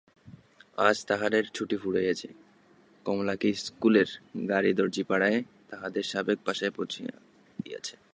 আজ তাহাদের ছুটি ফুরাইয়াছে–কমলাকে ইস্কুলের গাড়ি দরজিপাড়ায় তাহাদের সাবেক বাসায় পৌঁছাইয়া দিয়াছে।